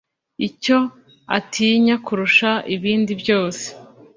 icyo atinya kurusha ibindi byose